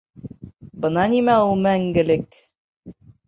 Бына нимә ул мәңгелек!